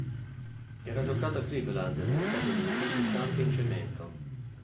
Era giocato a Cleveland negli Stati Uniti su campi in cemento.